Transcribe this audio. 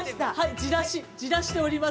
◆じらし、じらしております。